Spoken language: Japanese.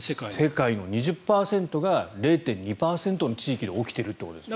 世界の２０％が０．２％の地域で起きてるってことですね。